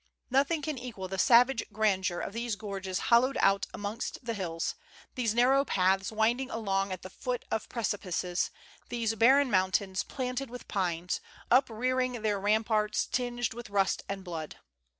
Nothing can equal 128 ' DISCOVERED, the savage grandeur of these gorges hollowed out amongst the hills, these narrow paths winding along at the foot of precipices, these barren mountains, planted with pines, uprearing their ramparts tinged with rust and blood.